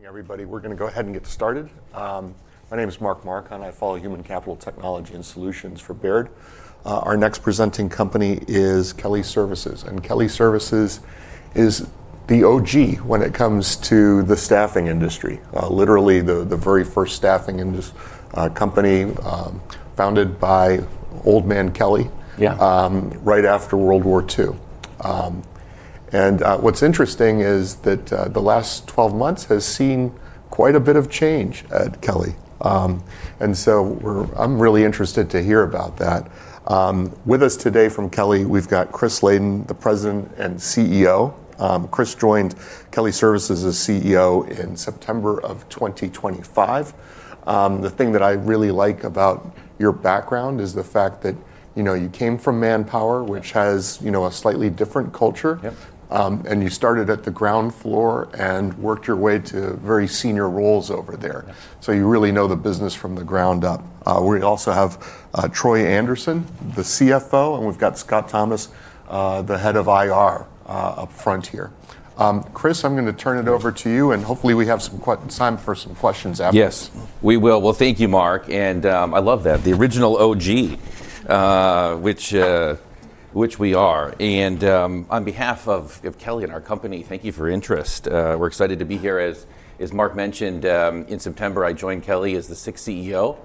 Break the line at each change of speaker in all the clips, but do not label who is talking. Hey, everybody. We're going to go ahead and get started. My name is Mark Marcon. I follow human capital technology and solutions for Baird. Kelly Services is the OG when it comes to the staffing industry. Literally, the very first staffing industry company, founded by Old Man Kelly.
Yeah
Right after World War II. What's interesting is that the last 12 months has seen quite a bit of change at Kelly. So I'm really interested to hear about that. With us today from Kelly, we've got Chris Layden, the President and CEO. Chris joined Kelly Services as CEO in September of 2025. The thing that I really like about your background is the fact that you came from Manpower, which has a slightly different culture.
Yep.
You started at the ground floor and worked your way to very senior roles over there.
Yes.
You really know the business from the ground up. We also have Troy Anderson, the CFO, and we've got Scott Thomas, the Head of IR up front here. Chris, I'm going to turn it over to you, and hopefully we have some time for some questions after.
Yes. We will. Well, thank you, Mark. I love that, the original OG, which we are. On behalf of Kelly and our company, thank you for your interest. We're excited to be here. As Mark mentioned, in September, I joined Kelly as the sixth CEO,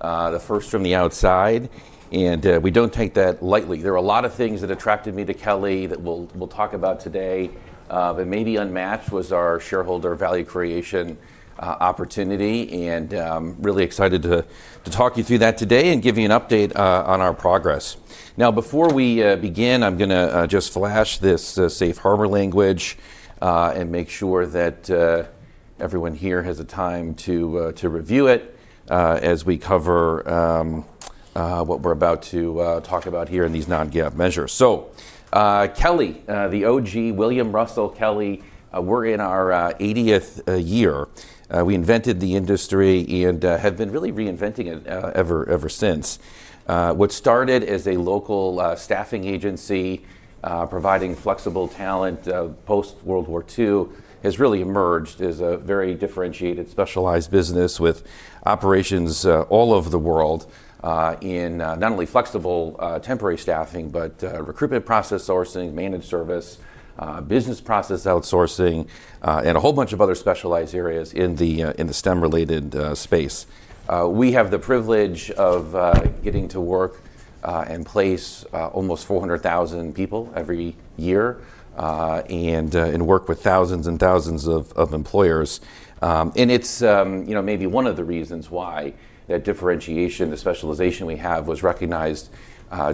the first from the outside, and we don't take that lightly. There are a lot of things that attracted me to Kelly that we'll talk about today. Maybe unmatched was our shareholder value creation opportunity, and I'm really excited to talk you through that today and give you an update on our progress. Now, before we begin, I'm going to just flash this Safe Harbor language, and make sure that everyone here has the time to review it, as we cover what we're about to talk about here in these non-GAAP measures. Kelly, the OG, William Russell Kelly. We're in our 80th year. We invented the industry and have been really reinventing it ever since. What started as a local staffing agency, providing flexible talent post-World War II, has really emerged as a very differentiated, specialized business with operations all over the world, in not only flexible temporary staffing, but recruitment process outsourcing, managed service, business process outsourcing, and a whole bunch of other specialized areas in the STEM-related space. We have the privilege of getting to work and place almost 400,000 people every year, and work with thousands and thousands of employers. It's maybe one of the reasons why that differentiation, the specialization we have, was recognized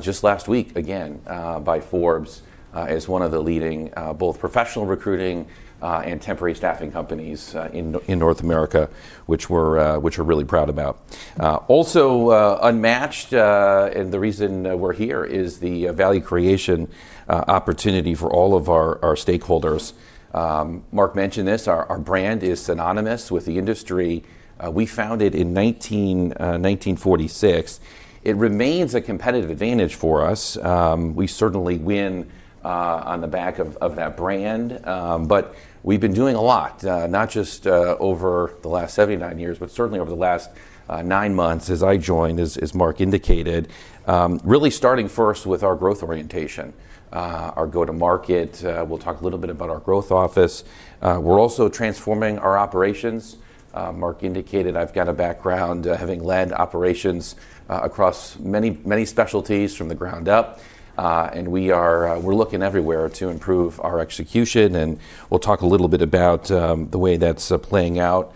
just last week, again, by Forbes, as one of the leading both professional recruiting, and temporary staffing companies in North America, which we're really proud about. Unmatched, and the reason we're here is the value creation opportunity for all of our stakeholders. Mark mentioned this, our brand is synonymous with the industry we founded in 1946. It remains a competitive advantage for us. We certainly win on the back of that brand. We've been doing a lot, not just over the last 79 years, but certainly over the last nine months as I joined, as Mark indicated. Really starting first with our growth orientation, our go to market. We'll talk a little bit about our growth office. We're also transforming our operations. Mark indicated I've got a background having led operations across many specialties from the ground up. We're looking everywhere to improve our execution, and we'll talk a little bit about the way that's playing out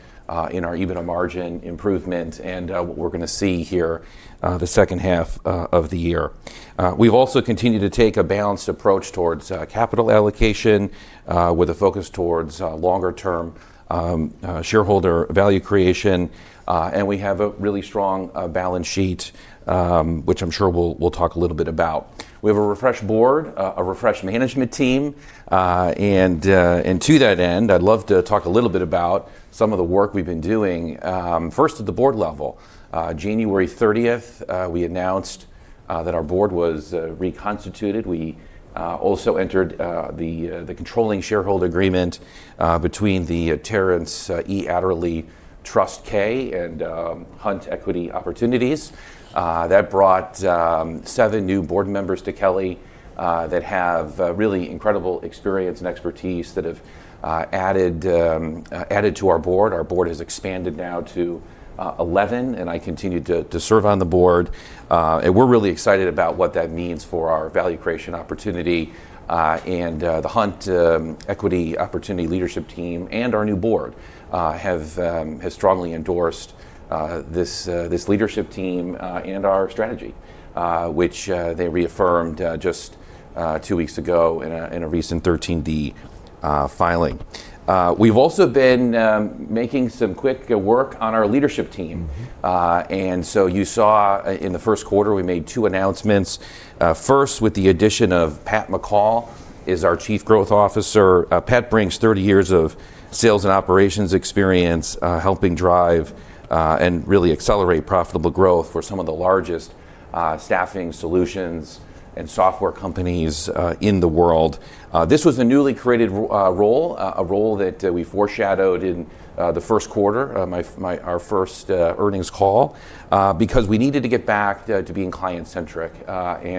in our EBITDA margin improvement and what we're going to see here the second half of the year. We've also continued to take a balanced approach towards capital allocation, with a focus towards longer-term shareholder value creation. We have a really strong balance sheet, which I'm sure we'll talk a little bit about. We have a refreshed board, a refreshed management team. To that end, I'd love to talk a little bit about some of the work we've been doing. First, at the board level. January 30th, we announced that our board was reconstituted. We also entered the controlling shareholder agreement between the Terence E. Adderley Trust K and Hunt Equity Opportunities. That brought seven new board members to Kelly that have really incredible experience and expertise that have added to our board. Our board has expanded now to 11, and I continue to serve on the board. We're really excited about what that means for our value creation opportunity. The Hunt Equity Opportunities leadership team and our new board have strongly endorsed this leadership team and our strategy, which they reaffirmed just two weeks ago in a recent 13D filing. We've also been making some quick work on our leadership team. You saw in the first quarter, we made two announcements. First, with the addition of Pat McCall as our Chief Growth Officer. Pat brings 30 years of sales and operations experience helping drive and really accelerate profitable growth for some of the largest staffing solutions and software companies in the world. This was a newly created role, a role that we foreshadowed in the first quarter, our first earnings call, because we needed to get back to being client-centric.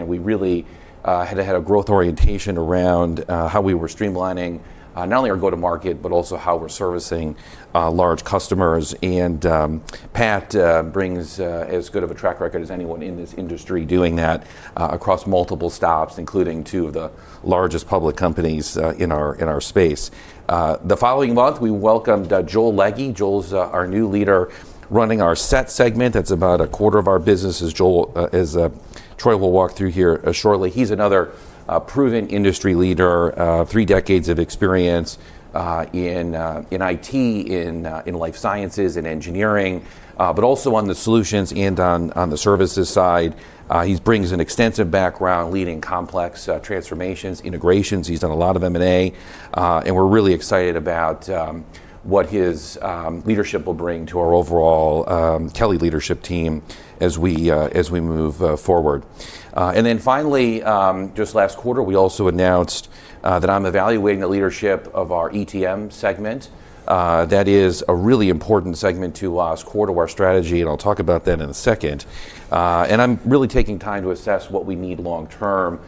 We really had to have a growth orientation around how we were streamlining, not only our go-to-market, but also how we're servicing large customers. Pat brings as good of a track record as anyone in this industry doing that across multiple stops, including two of the largest public companies in our space. The following month, we welcomed Joel Leege. Joel's our new leader running our SET segment. That's about a quarter of our business, as Troy will walk through here shortly. He's another proven industry leader, three decades of experience in IT, in life sciences and engineering, but also on the solutions and on the services side. He brings an extensive background leading complex transformations, integrations. He's done a lot of M&A, and we're really excited about what his leadership will bring to our overall Kelly leadership team as we move forward. Finally, just last quarter, we also announced that I'm evaluating the leadership of our ETM segment. That is a really important segment to us, core to our strategy, and I'll talk about that in a second. I'm really taking time to assess what we need long-term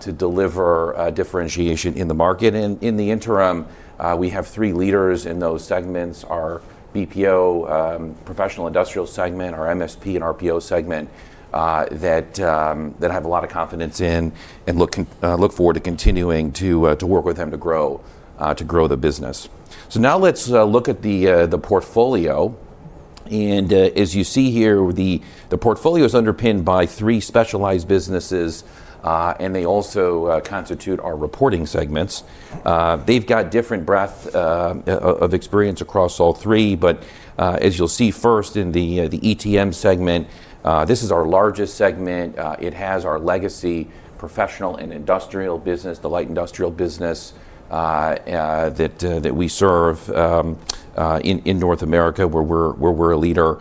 to deliver differentiation in the market. In the interim, we have three leaders in those segments, our BPO, professional industrial segment, our MSP, and RPO segment, that I have a lot of confidence in and look forward to continuing to work with them to grow the business. Now let's look at the portfolio. As you see here, the portfolio's underpinned by three specialized businesses, and they also constitute our reporting segments. They've got different breadth of experience across all three. As you'll see first in the ETM segment, this is our largest segment. It has our legacy professional and industrial business, the light industrial business that we serve in North America, where we're a leader.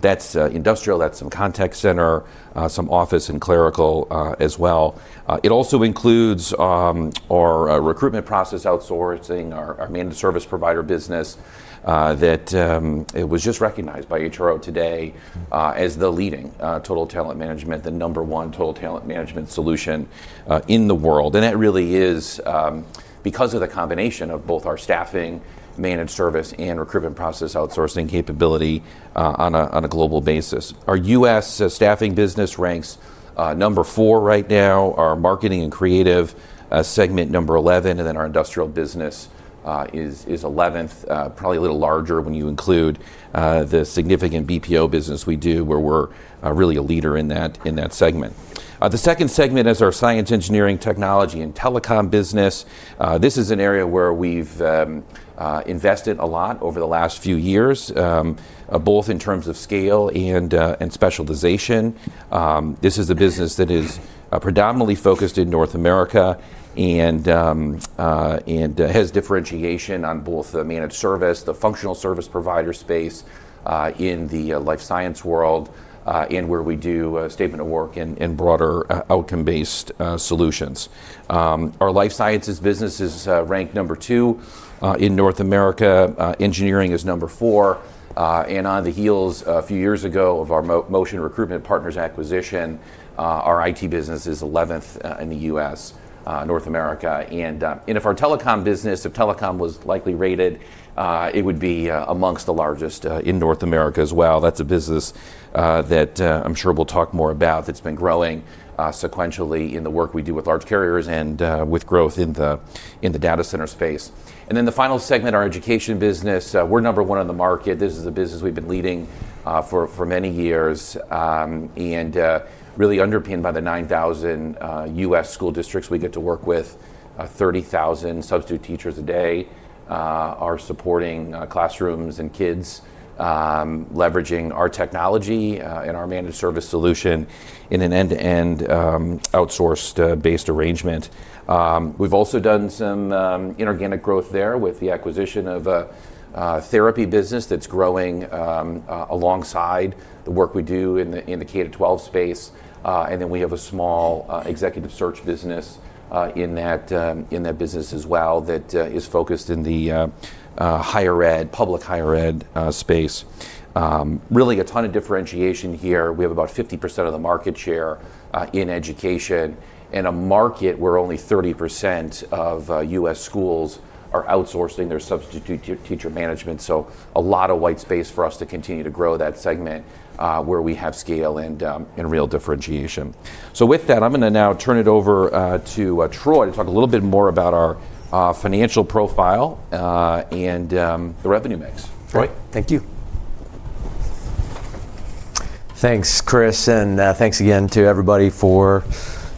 That's industrial, that's some contact center, some office and clerical as well. It also includes our recruitment process outsourcing, our managed service provider business, that it was just recognized by HRO Today as the leading total talent management, the number one total talent management solution in the world. It really is because of the combination of both our staffing, managed service, and recruitment process outsourcing capability on a global basis. Our U.S. staffing business ranks number four right now, our marketing and creative segment number 11, our industrial business is 11th, probably a little larger when you include the significant BPO business we do, where we're really a leader in that segment. The second segment is our Science, Engineering, Technology, and Telecom business. This is an area where we've invested a lot over the last few years, both in terms of scale and specialization. This is a business that is predominantly focused in North America and has differentiation on both the managed service, the functional service provider space, in the life science world, and where we do statement of work and broader outcome-based solutions. Our life sciences business is ranked number two in North America. Engineering is number four. On the heels, a few years ago, of our Motion Recruitment Partners acquisition, our IT business is 11th in the U.S., North America. If our telecom business, if telecom was likely rated, it would be amongst the largest in North America as well. That's a business that I'm sure we'll talk more about, that's been growing sequentially in the work we do with large carriers and with growth in the data center space. The final segment, our Education business, we're number one in the market. This is a business we've been leading for many years, really underpinned by the 9,000 U.S. school districts we get to work with. 30,000 substitute teachers a day are supporting classrooms and kids, leveraging our technology and our managed service solution in an end-to-end outsourced-based arrangement. We've also done some inorganic growth there with the acquisition of a therapy business that's growing alongside the work we do in the K to 12 space. We have a small executive search business in that business as well that is focused in the public higher ed space. Really a ton of differentiation here. We have about 50% of the market share in education in a market where only 30% of U.S. schools are outsourcing their substitute teacher management. A lot of white space for us to continue to grow that segment where we have scale and real differentiation. With that, I'm going to now turn it over to Troy to talk a little bit more about our financial profile and the revenue mix. Troy?
Thank you. Thanks, Chris, and thanks again to everybody for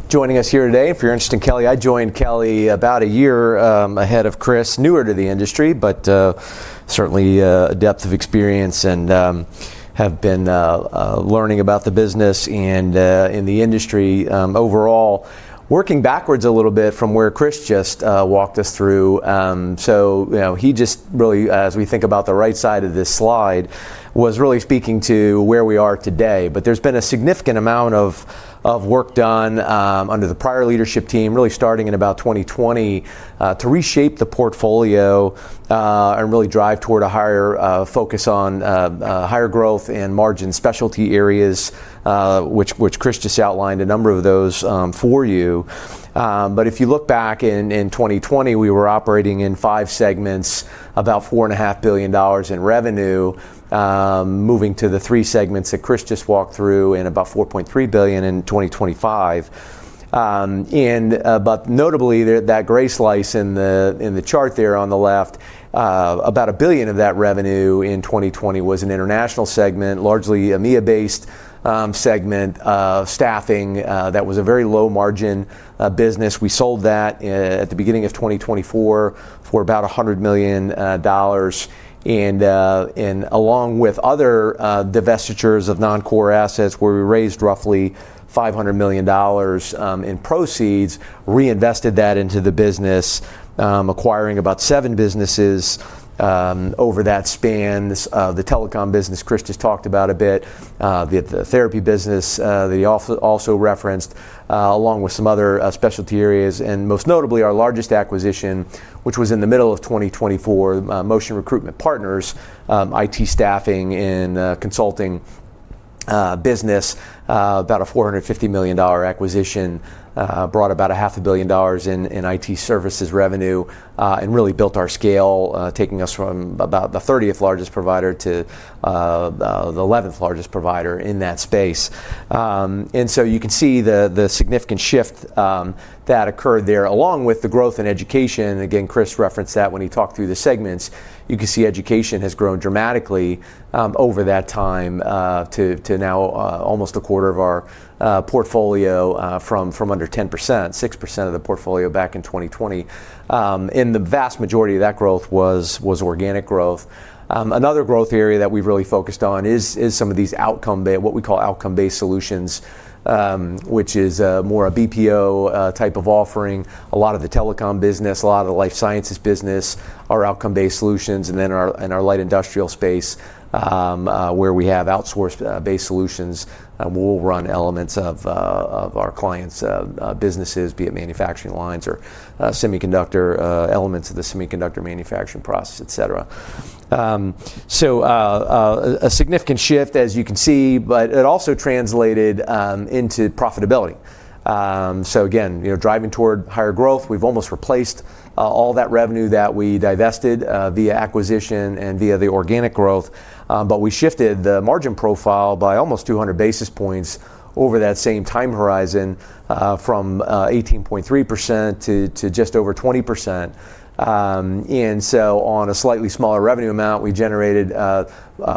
joining us here today. If you're interested in Kelly, I joined Kelly about a year ahead of Chris, newer to the industry, but certainly a depth of experience and have been learning about the business and in the industry overall. Working backwards a little bit from where Chris just walked us through. He just really, as we think about the right side of this slide, was really speaking to where we are today. There's been a significant amount of work done under the prior leadership team, really starting in about 2020, to reshape the portfolio and really drive toward a higher focus on higher growth and margin specialty areas, which Chris just outlined a number of those for you. If you look back, in 2020, we were operating in five segments, about $4.5 billion in revenue, moving to the three segments that Chris just walked through and about $4.3 billion in 2025. Notably, that gray slice in the chart there on the left, about $1 billion of that revenue in 2020 was an international segment, largely EMEA-based segment of staffing that was a very low-margin business. We sold that at the beginning of 2024 for about $100 million. Along with other divestitures of non-core assets where we raised roughly $500 million in proceeds, reinvested that into the business, acquiring about seven businesses over that span. The telecom business, Chris just talked about a bit. The therapy business that he also referenced, along with some other specialty areas, and most notably our largest acquisition, which was in the middle of 2024, Motion Recruitment Partners, IT staffing and consulting business, about a $450 million acquisition, brought about a half a billion dollars in IT services revenue and really built our scale, taking us from about the 30th largest provider to the 11th largest provider in that space. You can see the significant shift that occurred there, along with the growth in Education. Again, Chris referenced that when he talked through the segments. You can see Education has grown dramatically over that time to now almost a quarter of our portfolio, from under 10%, 6% of the portfolio back in 2020. The vast majority of that growth was organic growth. Another growth area that we've really focused on is some of these, what we call outcome-based solutions, which is more a BPO type of offering. A lot of the telecom business, a lot of the life sciences business are outcome-based solutions. In our light industrial space, where we have outsourced-based solutions, and we'll run elements of our clients' businesses, be it manufacturing lines or elements of the semiconductor manufacturing process, et cetera. A significant shift, as you can see, but it also translated into profitability. Driving toward higher growth, we've almost replaced all that revenue that we divested via acquisition and via the organic growth. We shifted the margin profile by almost 200 basis points over that same time horizon, from 18.3% to just over 20%. On a slightly smaller revenue amount, we generated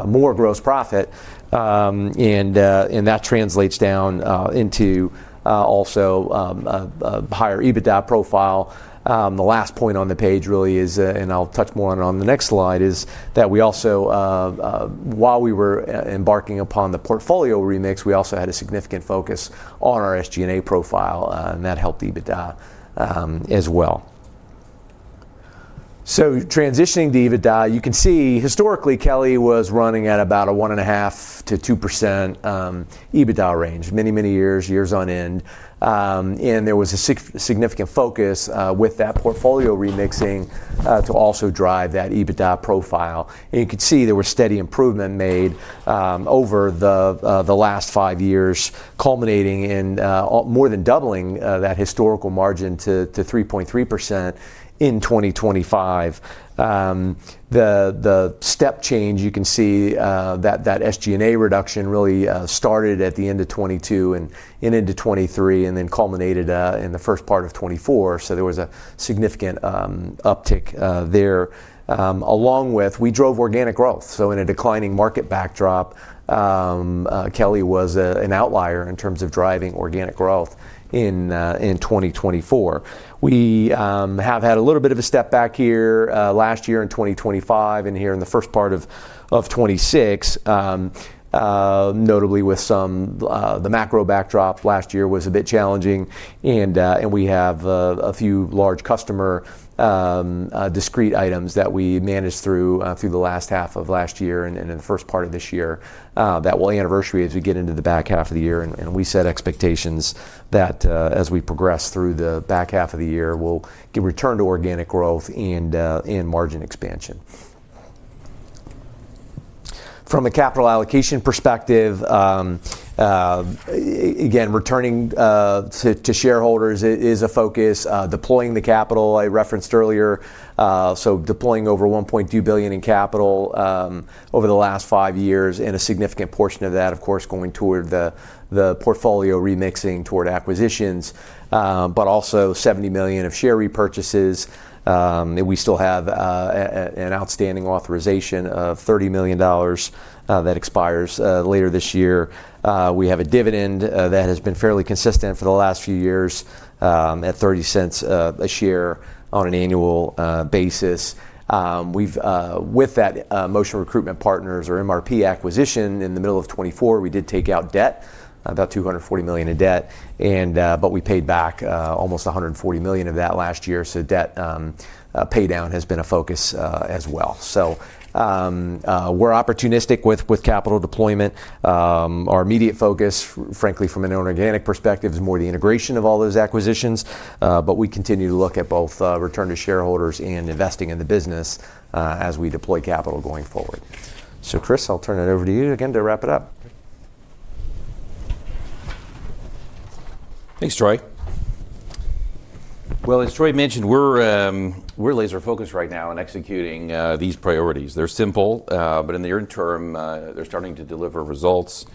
more gross profit, and that translates down into also a higher EBITDA profile. The last point on the page really is, I'll touch more on the next slide, is that while we were embarking upon the portfolio remix, we also had a significant focus on our SG&A profile, and that helped EBITDA as well. Transitioning to EBITDA, you can see historically, Kelly was running at about a 1.5%-2% EBITDA range, many, many years on end. There was a significant focus with that portfolio remixing to also drive that EBITDA profile. You could see there was steady improvement made over the last five years, culminating in more than doubling that historical margin to 3.3% in 2025. The step change, you can see that SG&A reduction really started at the end of 2022 and into 2023, and then culminated in the first part of 2024. There was a significant uptick there. Along with, we drove organic growth. In a declining market backdrop, Kelly was an outlier in terms of driving organic growth in 2024. We have had a little bit of a step back here last year in 2025 and here in the first part of 2026. Notably with the macro backdrop, last year was a bit challenging, and we have a few large customer discrete items that we managed through the last half of last year and in the first part of this year that will anniversary as we get into the back half of the year. We set expectations that as we progress through the back half of the year, we'll return to organic growth and margin expansion. From a capital allocation perspective, again, returning to shareholders is a focus. Deploying the capital, I referenced earlier, so deploying over $1.2 billion in capital over the last five years, and a significant portion of that, of course, going toward the portfolio remixing toward acquisitions, but also $70 million of share repurchases. We still have an outstanding authorization of $30 million that expires later this year. We have a dividend that has been fairly consistent for the last few years at $0.30 a share on an annual basis. With that Motion Recruitment Partners, or MRP acquisition, in the middle of 2024, we did take out debt, about $240 million in debt, but we paid back almost $140 million of that last year. Debt paydown has been a focus as well. We're opportunistic with capital deployment. Our immediate focus, frankly, from an inorganic perspective, is more the integration of all those acquisitions. We continue to look at both return to shareholders and investing in the business as we deploy capital going forward. Chris, I'll turn it over to you again to wrap it up.
Thanks, Troy. Well, as Troy mentioned, we're laser focused right now on executing these priorities. They're simple, but in the near term, they're starting to deliver results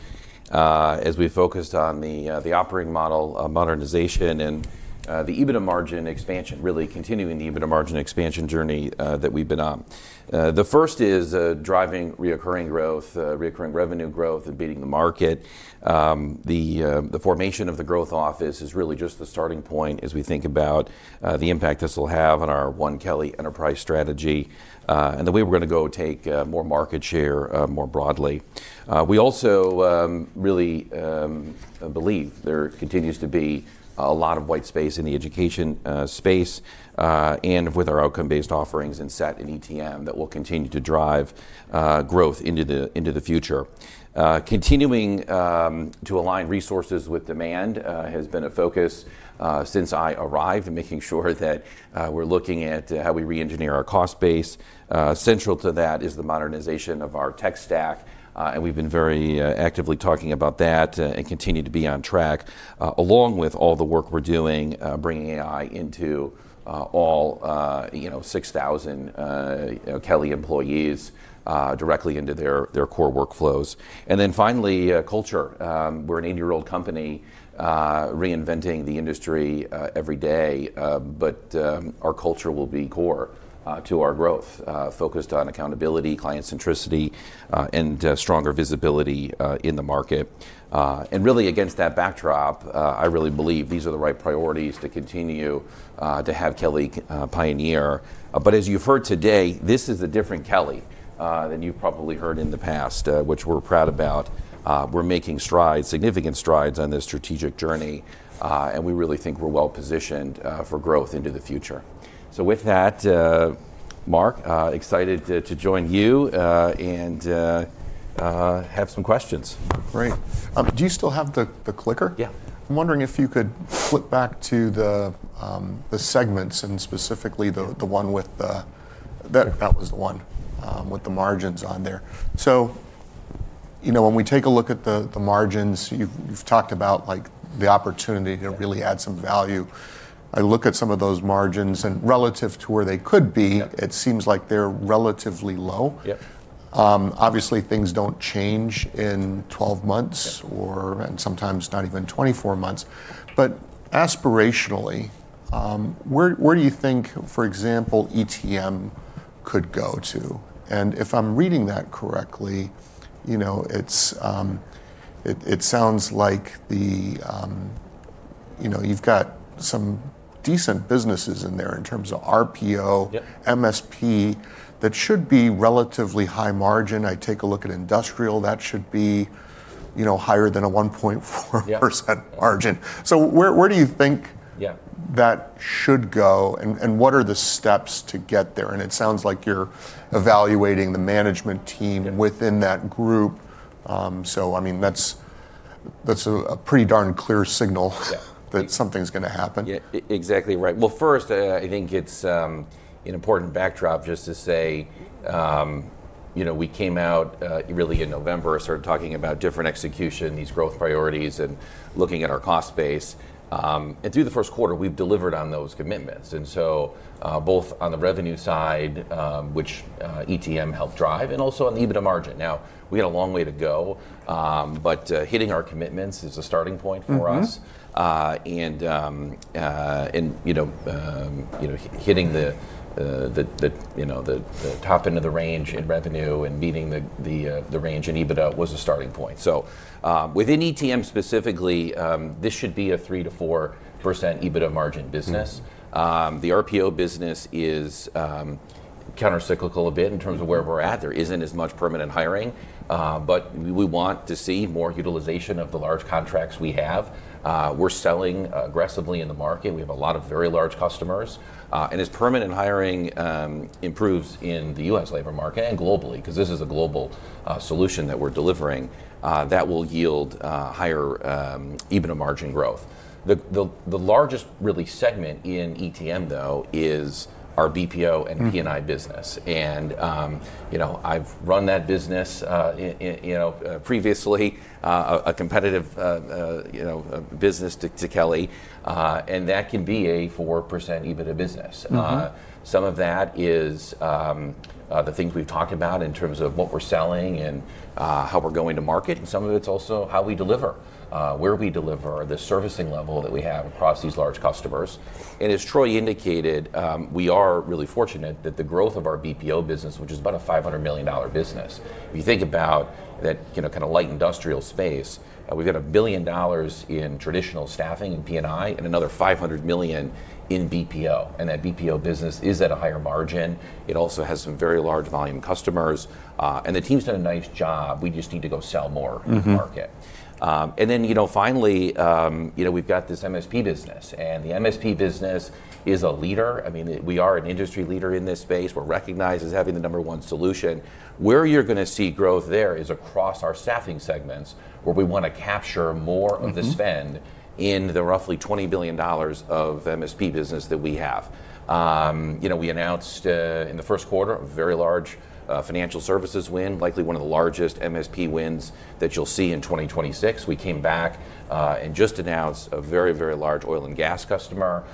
as we focused on the operating model modernization and the EBITDA margin expansion, really continuing the EBITDA margin expansion journey that we've been on. The first is driving reoccurring growth, reoccurring revenue growth, and beating the market. The formation of the growth office is really just the starting point as we think about the impact this will have on our One Kelly enterprise strategy, and the way we're going to go take more market share more broadly. We also really believe there continues to be a lot of white space in the education space, and with our outcome-based offerings in SET and ETM, that will continue to drive growth into the future. Continuing to align resources with demand has been a focus since I arrived, and making sure that we're looking at how we re-engineer our cost base. Central to that is the modernization of our tech stack, and we've been very actively talking about that and continue to be on track, along with all the work we're doing, bringing AI into all 6,000 Kelly employees directly into their core workflows. Finally, culture. We're an 80-year-old company reinventing the industry every day. Our culture will be core to our growth, focused on accountability, client centricity, and stronger visibility in the market. Really against that backdrop, I really believe these are the right priorities to continue to have Kelly pioneer. As you've heard today, this is a different Kelly than you've probably heard in the past, which we're proud about. We're making strides, significant strides on this strategic journey. We really think we're well-positioned for growth into the future. With that, Mark, excited to join you and have some questions.
Great. Do you still have the clicker?
Yeah.
I'm wondering if you could flip back to the segments and specifically the one with the margins on there. When we take a look at the margins, you've talked about the opportunity to really add some value. I look at some of those margins, relative to where they could be.
Yeah
It seems like they're relatively low.
Yeah.
Obviously, things don't change in 12 months or, and sometimes not even 24 months. Aspirationally, where do you think, for example, ETM could go to? If I'm reading that correctly, it sounds like you've got some decent businesses in there in terms of RPO.
Yeah
MSP, that should be relatively high margin. I take a look at industrial. That should be higher than a 1.4% margin.
Yeah.
So where do you think–
Yeah
–that should go. What are the steps to get there? It sounds like you're evaluating the management team within that group. That's a pretty darn clear signal that something's going to happen.
Yeah. Exactly right. Well, first, I think it's an important backdrop just to say, we came out, really in November, started talking about different execution, these growth priorities, and looking at our cost base. Through the first quarter, we've delivered on those commitments. Both on the revenue side, which ETM helped drive, and also on the EBITDA margin. Now, we got a long way to go. Hitting our commitments is a starting point for us. Hitting the top end of the range in revenue and beating the range in EBITDA was a starting point. Within ETM specifically, this should be a 3%-4% EBITDA margin business. The RPO business is counter-cyclical a bit in terms of where we're at. There isn't as much permanent hiring, but we want to see more utilization of the large contracts we have. We're selling aggressively in the market. We have a lot of very large customers. As permanent hiring improves in the U.S. labor market and globally, because this is a global solution that we're delivering, that will yield higher EBITDA margin growth. The largest really segment in ETM though is our BPO and P&I business. I've run that business previously, a competitive business to Kelly, and that can be a 4% EBITDA business. Some of that is the things we've talked about in terms of what we're selling and how we're going to market, some of it's also how we deliver, where we deliver, the servicing level that we have across these large customers. As Troy indicated, we are really fortunate that the growth of our BPO business, which is about a $500 million business, if you think about that kind of light industrial space, we've got $1 billion in traditional staffing in P&I, and another $500 million in BPO. That BPO business is at a higher margin. It also has some very large volume customers, and the team's done a nice job. We just need to go sell more in the market. Finally, we've got this MSP business. The MSP business is a leader. We are an industry leader in this space. We're recognized as having the number one solution. Where you're going to see growth there is across our staffing segments, where we want to capture more of the spend in the roughly $20 billion of MSP business that we have. We announced, in the first quarter, a very large financial services win, likely one of the largest MSP wins that you'll see in 2026. We came back, just announced a very, very large oil and gas customer.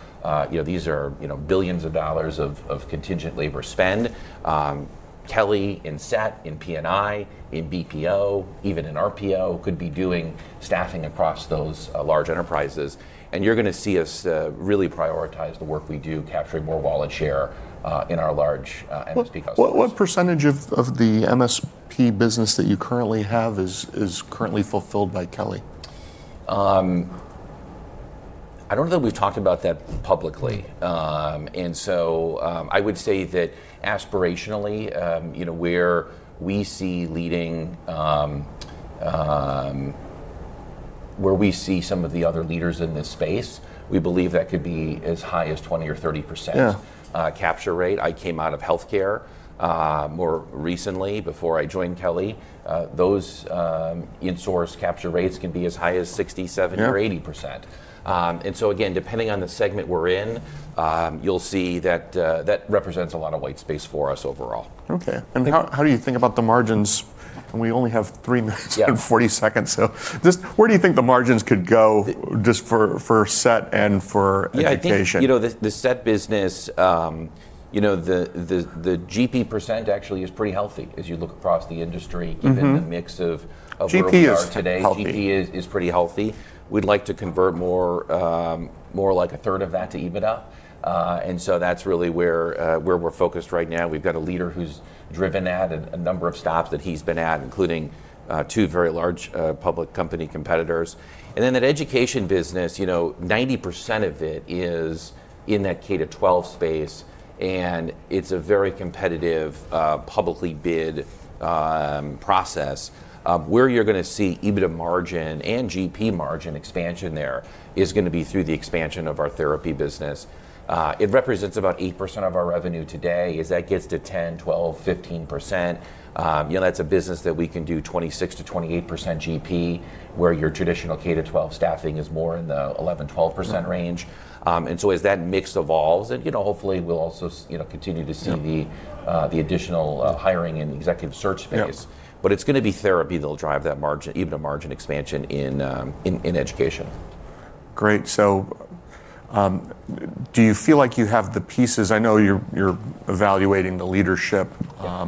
These are billions of dollars of contingent labor spend. Kelly in SET, in P&I, in BPO, even in RPO, could be doing staffing across those large enterprises. You're going to see us really prioritize the work we do capturing more wallet share in our large MSP customers.
What percentage of the MSP business that you currently have is currently fulfilled by Kelly?
I don't know that we've talked about that publicly. I would say that aspirationally, where we see some of the other leaders in this space, we believe that could be as high as 20% or 30% capture rate. I came out of healthcare, more recently, before I joined Kelly. Those insource capture rates can be as high as 60%, 70%, or 80%.
Yeah.
Again, depending on the segment we're in, you'll see that that represents a lot of white space for us overall.
Okay. How do you think about the margins? We only have 3 minutes and 40 seconds, so just where do you think the margins could go just for SET and for Education?
Yeah, I think, the SET business, the GP percent actually is pretty healthy as you look across the industry given the mix of where we are today.
GP is healthy.
GP is pretty healthy. We'd like to convert more like a third of that to EBITDA. That's really where we're focused right now. We've got a leader who's driven that at a number of stops that he's been at, including two very large public company competitors. That Education business, 90% of it is in that K-12 space, and it's a very competitive, publicly bid process. Where you're going to see EBITDA margin and GP margin expansion there is going to be through the expansion of our therapy business. It represents about 8% of our revenue today. As that gets to 10%, 12%, 15%, that's a business that we can do 26%-28% GP, where your traditional K-12 staffing is more in the 11%, 12% range. As that mix evolves, hopefully we'll also continue to see the additional hiring in the executive search space.
Yeah.
It's going to be therapy that'll drive that EBITDA margin expansion in Education.
Great. Do you feel like you have the pieces? I know you're evaluating the leadership.
Yeah.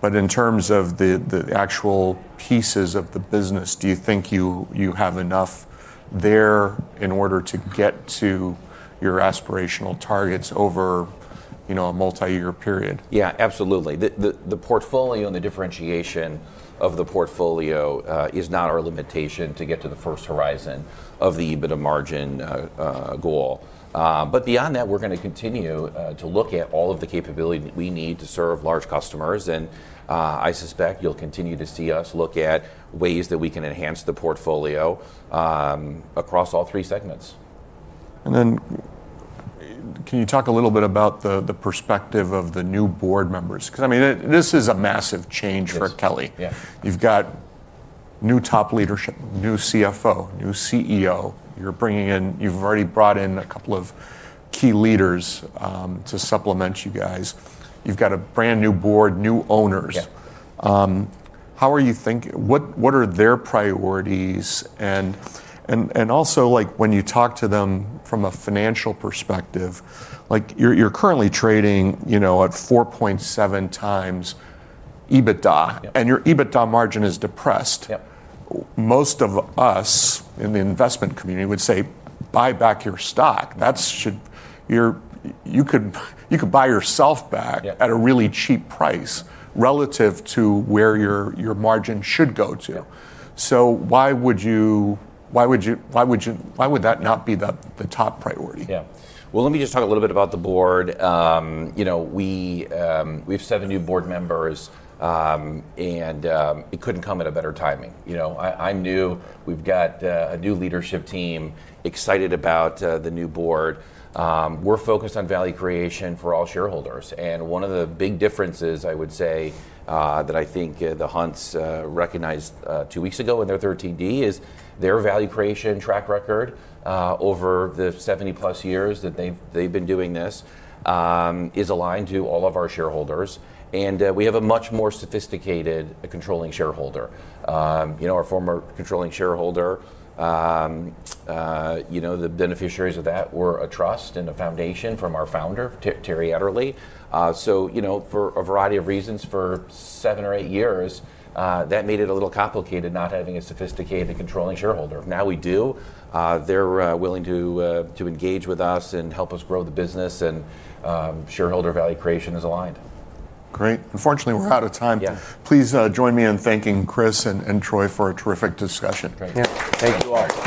In terms of the actual pieces of the business, do you think you have enough there in order to get to your aspirational targets over a multiyear period?
Yeah, absolutely. The portfolio and the differentiation of the portfolio is not our limitation to get to the first horizon of the EBITDA margin goal. Beyond that, we're going to continue to look at all of the capability that we need to serve large customers, and I suspect you'll continue to see us look at ways that we can enhance the portfolio across all three segments.
Can you talk a little bit about the perspective of the new board members? This is a massive change for Kelly.
It is, yeah.
You've got new top leadership, new CFO, new CEO. You've already brought in a couple of key leaders to supplement you guys. You've got a brand-new board, new owners.
Yeah.
What are their priorities? Also, when you talk to them from a financial perspective, you're currently trading at 4.7x EBITDA.
Yeah.
Your EBITDA margin is depressed.
Yeah.
Most of us in the investment community would say, "Buy back your stock".
Yeah
You could buy yourself back at a really cheap price relative to where your margin should go to.
Yeah.
Why would that not be the top priority?
Yeah. Well, let me just talk a little bit about the board. We've seven new board members. It couldn't come at a better timing. I knew we've got a new leadership team excited about the new board. We're focused on value creation for all shareholders, and one of the big differences, I would say, that I think the Hunts recognized two weeks ago in their 13D is their value creation track record over the 70+ years that they've been doing this is aligned to all of our shareholders. We have a much more sophisticated controlling shareholder. Our former controlling shareholder, the beneficiaries of that were a trust and a foundation from our founder, Terry Adderley. For a variety of reasons for seven or eight years, that made it a little complicated not having a sophisticated controlling shareholder. Now we do. They're willing to engage with us and help us grow the business, and shareholder value creation is aligned.
Great. Unfortunately, we're out of time.
Yeah.
Please join me in thanking Chris and Troy for a terrific discussion.
Great.
Yeah. Thank you all.